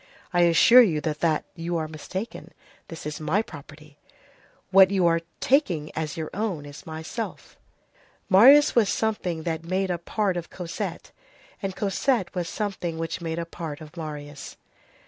"I assure you that you are mistaken. This is my property." "What you are taking as your own is myself."—Marius was something that made a part of Cosette, and Cosette was something which made a part of Marius.